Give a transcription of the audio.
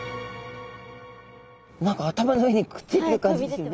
何か頭の上にくっついてる感じですよね。